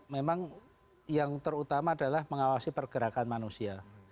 memang yang terutama adalah mengawasi pergerakan manusia